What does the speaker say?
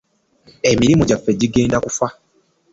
Emirimu gyaffe gigenda kufa.